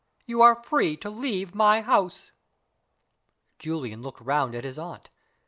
You are free to leave my house." Julian looked round at his aunt.